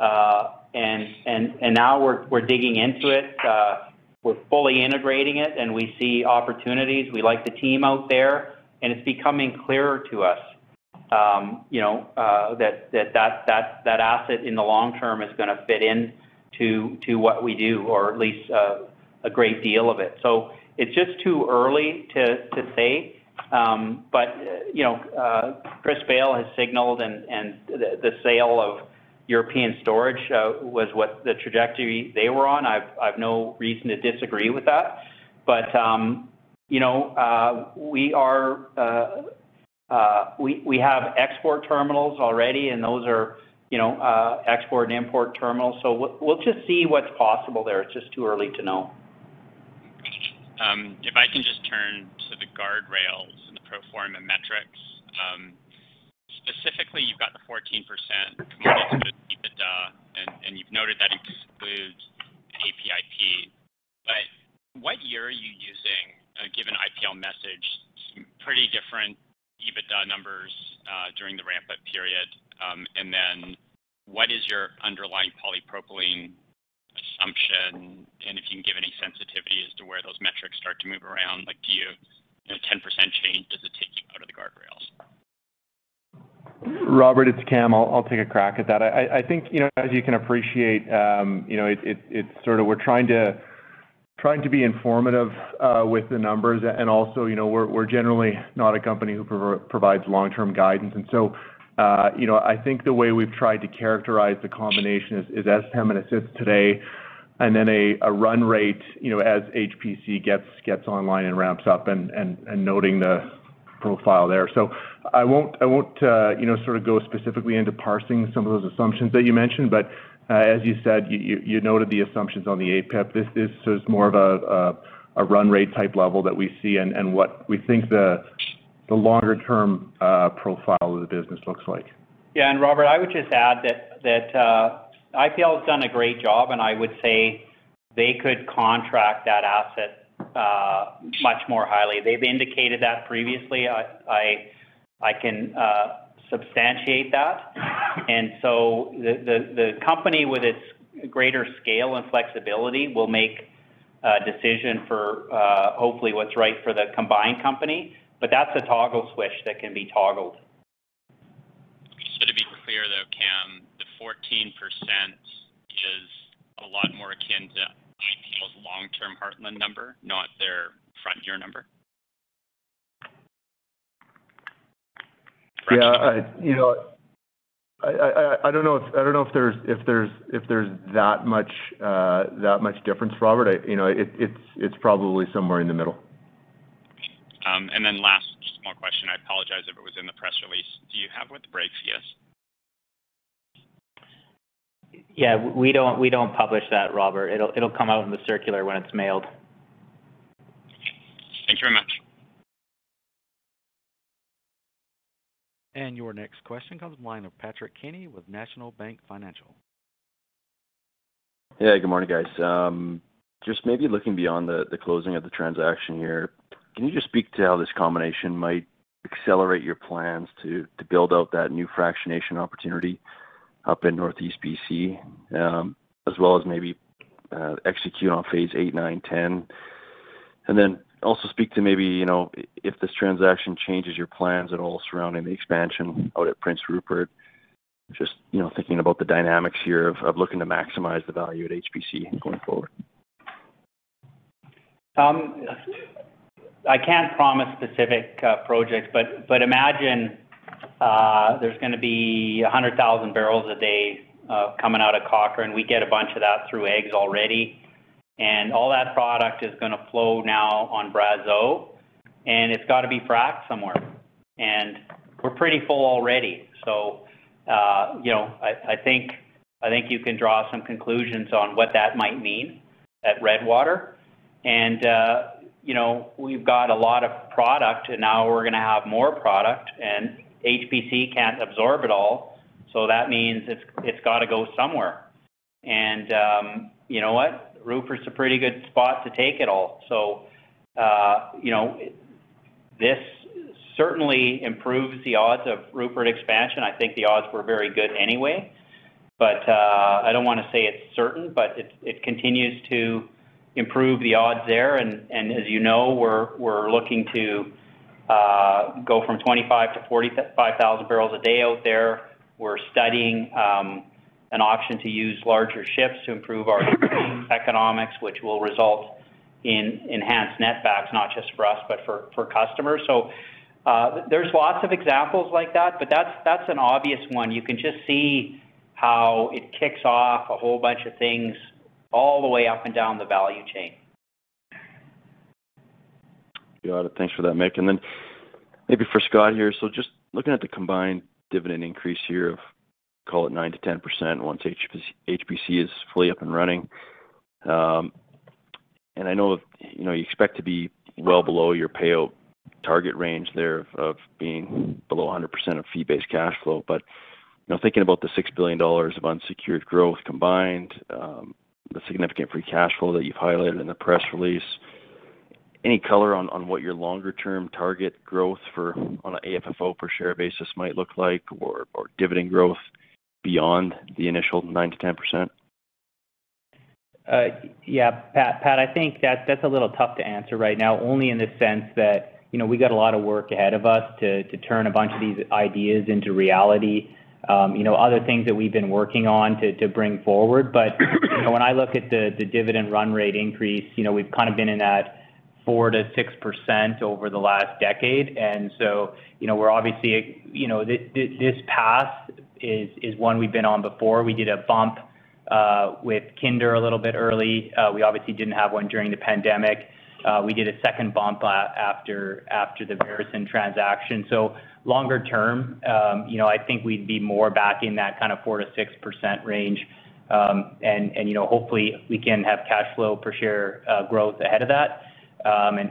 Wharves. And now we're digging into it. We're fully integrating it, and we see opportunities. We like the team out there, and it's becoming clearer to us that asset in the long term is going to fit in to what we do, or at least a great deal of it. It's just too early to say. Chris Bayle has signaled, and the sale of European Storage was what the trajectory they were on. I've no reason to disagree with that. We have export terminals already, and those are export and import terminals. We'll just see what's possible there. It's just too early to know. If I can just turn to the guardrails and the pro forma metrics. Specifically, you've got the 14% committed to EBITDA, and you've noted that excludes APIP. What year are you using, given IPL message, pretty different EBITDA numbers, during the ramp-up period? What is your underlying polypropylene assumption? If you can give any sensitivity as to where those metrics start to move around, like a 10% change, does it take you out of the guardrails? Robert, it's Cam. I'll take a crack at that. I think, as you can appreciate, we're trying to be informative with the numbers. Also, we're generally not a company who provides long-term guidance. I think the way we've tried to characterize the combination is as Pembina sits today and then a run rate as HPC gets online and ramps up and noting the profile there. I won't go specifically into parsing some of those assumptions that you mentioned, but, as you said, you noted the assumptions on the APIP. This is more of a run rate type level that we see and what we think the longer-term profile of the business looks like. Yeah, Robert, I would just add that IPL's done a great job. I would say they could contract that asset much more highly. They've indicated that previously. I can substantiate that. The company with its greater scale and flexibility will make a decision for hopefully what's right for the combined company. That's a toggle switch that can be toggled. To be clear, though, Cam, the 14% is a lot more akin to IPL's long-term Heartland number, not their front year number? Yeah. I don't know if there's that much difference, Robert. It's probably somewhere in the middle. Last, just one more question. I apologize if it was in the press release. Do you have what the break fee is? Yeah, we don't publish that, Robert. It'll come out in the circular when it's mailed. Thank you very much. Your next question comes in line with Patrick Kenny with National Bank Financial. Yeah, good morning, guys. Just maybe looking beyond the closing of the transaction here, can you just speak to how this combination might accelerate your plans to build out that new fractionation opportunity up in Northeast B.C., as well as maybe execute on phase VIII, IX, X? Also speak to maybe if this transaction changes your plans at all surrounding the expansion out at Prince Rupert. Just thinking about the dynamics here of looking to maximize the value at HPC going forward. I can't promise specific projects, but imagine there's going to be 100,000 barrels a day coming out of Cochrane. We get a bunch of that through AEGS already. All that product is going to flow now on Brazeau, and it's got to be fracked somewhere. We're pretty full already. I think you can draw some conclusions on what that might mean at Redwater. We've got a lot of product, and now we're going to have more product, and HPC can't absorb it all. That means it's got to go somewhere. You know what? Rupert's a pretty good spot to take it all. This certainly improves the odds of Rupert expansion. I think the odds were very good anyway. I don't want to say it's certain, but it continues to improve the odds there, and as you know, we're looking to go from 25,000-45,000 barrels a day out there. We're studying an option to use larger ships to improve our economics, which will result in enhanced net backs, not just for us, but for customers. There's lots of examples like that, but that's an obvious one. You can just see how it kicks off a whole bunch of things all the way up and down the value chain. Got it. Thanks for that, Mick. Then maybe for Scott here, so just looking at the combined dividend increase here of, call it 9%-10% once HPC is fully up and running. I know you expect to be well below your payout target range there of being below 100% of fee-based cash flow. Thinking about the 6 billion dollars of unsecured growth combined, the significant free cash flow that you've highlighted in the press release, any color on what your longer-term target growth on a AFFO per share basis might look like or dividend growth beyond the initial 9%-10%? Yeah. Pat, I think that's a little tough to answer right now, only in the sense that we got a lot of work ahead of us to turn a bunch of these ideas into reality. Other things that we've been working on to bring forward. When I look at the dividend run rate increase, we've been in that 4%-6% over the last decade, and so, this path is one we've been on before. We did a bump with Kinder a little bit early. We obviously didn't have one during the pandemic. We did a second bump after the Veresen transaction. Longer term, I think we'd be more back in that 4%-6% range. Hopefully we can have cash flow per share growth ahead of that,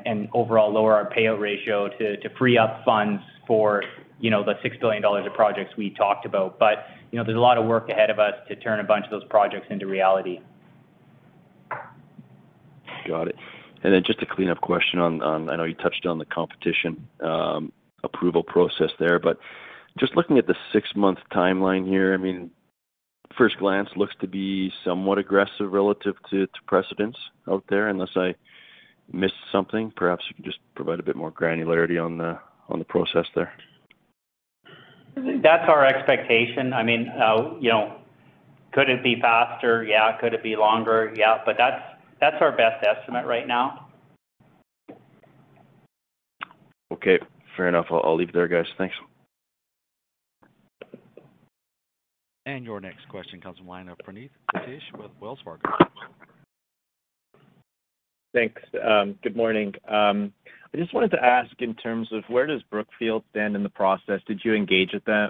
and overall lower our payout ratio to free up funds for the 6 billion dollars of projects we talked about. There's a lot of work ahead of us to turn a bunch of those projects into reality. Got it. Just a cleanup question on I know you touched on the competition approval process there, but just looking at the six-month timeline here, at first glance, looks to be somewhat aggressive relative to precedents out there, unless I missed something. Perhaps you can just provide a bit more granularity on the process there. That's our expectation. Could it be faster? Yeah. Could it be longer? Yeah. That's our best estimate right now. Okay. Fair enough. I'll leave it there, guys. Thanks. Your next question comes from the line of Praneeth Satish with Wells Fargo. Thanks. Good morning. I just wanted to ask in terms of where does Brookfield stand in the process? Did you engage with them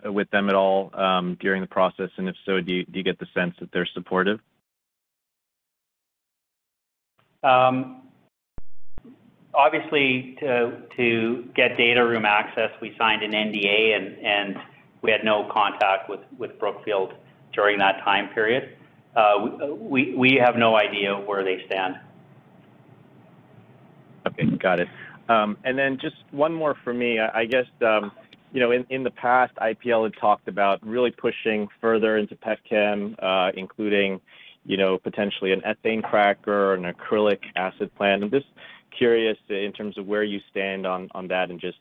at all during the process? If so, do you get the sense that they're supportive? Obviously, to get data room access, we signed an NDA. We had no contact with Brookfield during that time period. We have no idea where they stand. Okay. Got it. Just one more for me. I guess, in the past, IPL had talked about really pushing further into pet chem, including potentially an ethane cracker or an acrylic acid plant. I'm just curious in terms of where you stand on that and just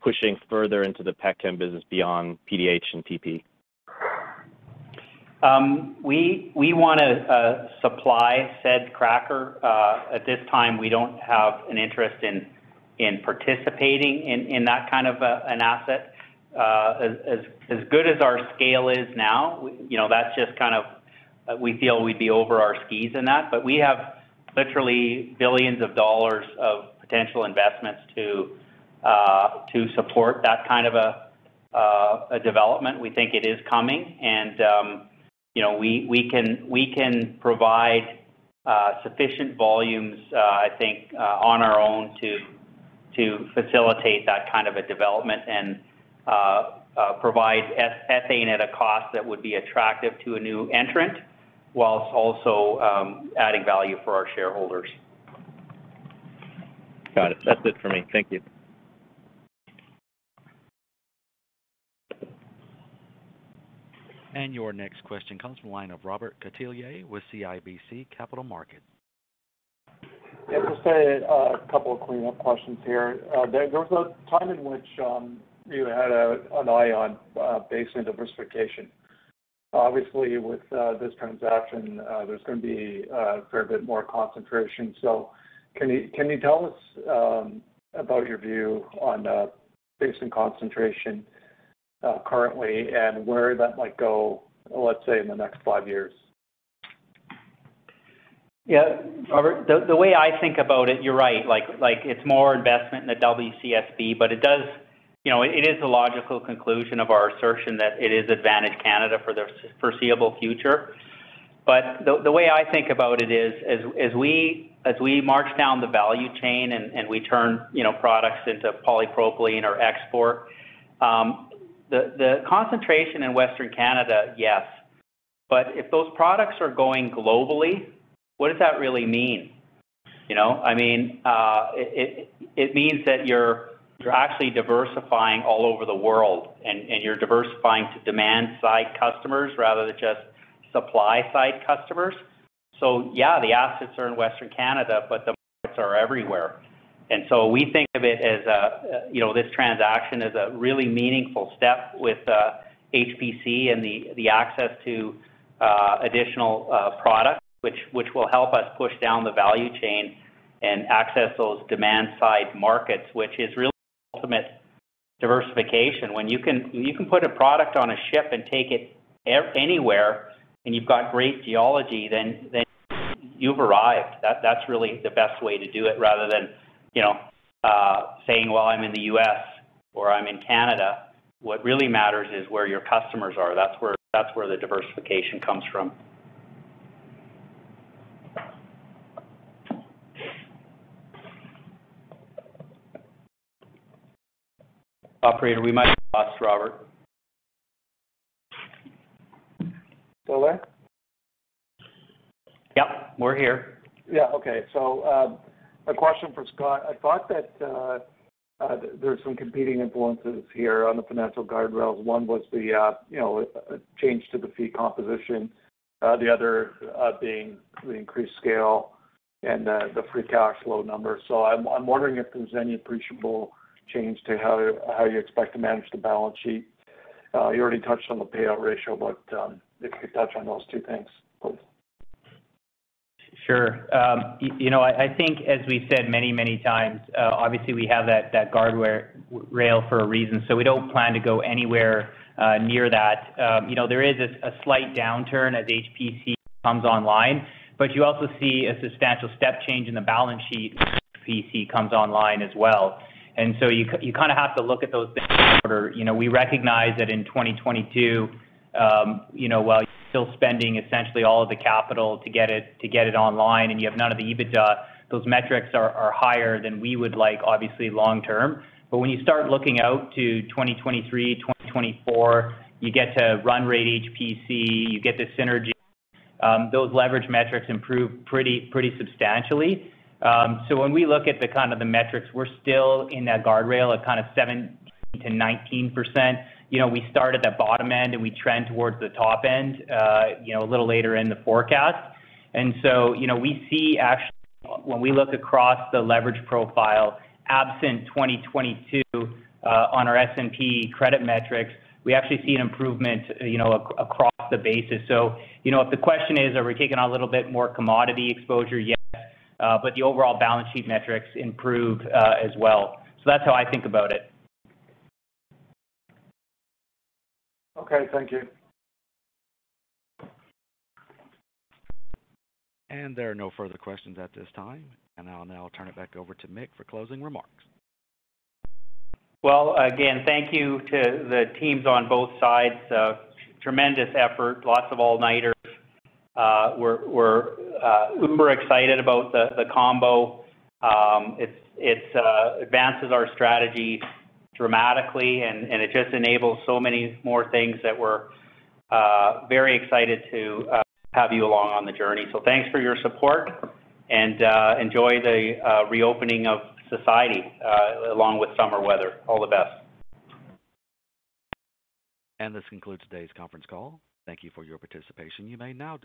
pushing further into the pet chem business beyond PDH and PP. We want to supply said cracker. At this time, we don't have an interest in participating in that kind of an asset. As good as our scale is now, we feel we'd be over our skis in that. We have literally billions of dollars of potential investments to support that kind of a development. We think it is coming, and we can provide sufficient volumes, I think, on our own to facilitate that kind of a development and provide ethane at a cost that would be attractive to a new entrant, whilst also adding value for our shareholders. Got it. That's it for me. Thank you. Your next question comes from the line of Robert Catellier with CIBC Capital Markets. Yeah, just a couple of cleanup questions here. There was a time in which you had an eye on basin diversification. Obviously, with this transaction, there's going to be a fair bit more concentration. Can you tell us about your view on basin concentration currently and where that might go, let's say, in the next five years? Robert, the way I think about it, you're right. It's more investment in the WCSB, but it is the logical conclusion of our assertion that it is Advantage Canada for the foreseeable future. The way I think about it is, as we march down the value chain and we turn products into polypropylene or export, the concentration in Western Canada, yes. If those products are going globally, what does that really mean? It means that you're actually diversifying all over the world, and you're diversifying to demand-side customers rather than just supply-side customers. The assets are in Western Canada, but the markets are everywhere. We think of this transaction as a really meaningful step with HPC and the access to additional products, which will help us push down the value chain and access those demand-side markets, which is really the ultimate diversification. When you can put a product on a ship and take it anywhere, and you've got great geology, then you've arrived. That's really the best way to do it rather than saying, "Well, I'm in the U.S.," or, "I'm in Canada." What really matters is where your customers are. That's where the diversification comes from. Operator, we might have lost Robert. Still there? Yep, we're here. A question for Scott. I thought that there's some competing influences here on the financial guardrails. One was the change to the fee composition, the other being the increased scale and the free cash flow number. I'm wondering if there's any appreciable change to how you expect to manage the balance sheet. You already touched on the payout ratio, but if you could touch on those two things, please. I think as we've said many times, obviously we have that guardrail for a reason, we don't plan to go anywhere near that. There is a slight downturn as HPC comes online, you also see a substantial step change in the balance sheet when HPC comes online as well. You kind of have to look at those things in order. We recognize that in 2022, while you're still spending essentially all of the capital to get it online and you have none of the EBITDA, those metrics are higher than we would like, obviously, long term. When you start looking out to 2023, 2024, you get to run rate HPC, you get the synergy, those leverage metrics improve pretty substantially. When we look at the metrics, we're still in that guardrail of kind of 7%-19%. We start at that bottom end and we trend towards the top end a little later in the forecast. We see actually, when we look across the leverage profile, absent 2022, on our S&P credit metrics, we actually see an improvement across the basis. If the question is, are we taking on a little bit more commodity exposure? Yes. The overall balance sheet metrics improve as well. That's how I think about it. Okay. Thank you. There are no further questions at this time. I'll now turn it back over to Mick for closing remarks. Well, again, thank you to the teams on both sides. Tremendous effort, lots of all-nighters. We're uber excited about the combo. It advances our strategy dramatically, it just enables so many more things that we're very excited to have you along on the journey. Thanks for your support, and enjoy the reopening of society along with summer weather. All the best. This concludes today's conference call. Thank you for your participation. You may now disconnect.